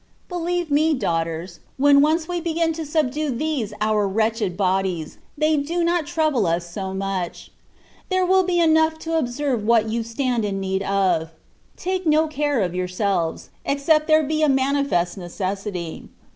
Believe me, daughters, when once we begin to subdue these our wretched bodies, they do not trouble us so much : there will be enough to observe what you stand in need of: take no care of yourselves, except there be a manifest necessity.